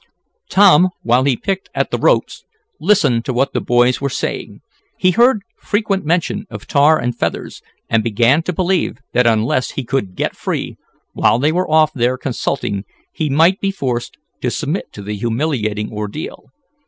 Tom, while he picked at the ropes, listened to what the boys were saying. He heard frequent mention of tar and feathers, and began to believe, that unless he could get free, while they were off there consulting, he might be forced to submit to the humiliating ordeal.